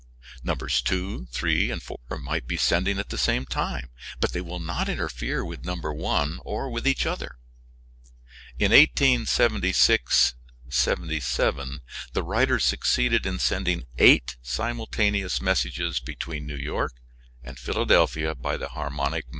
Numbers two, three and four might be sending at the same time, but they would not interfere with number one or with each other. In 1876 7 the writer succeeded in sending eight simultaneous messages between New York and Philadelphia by the harmonic method.